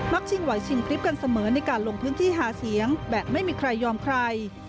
ชิงไหวชิงคลิปกันเสมอในการลงพื้นที่หาเสียงแบบไม่มีใครยอมใคร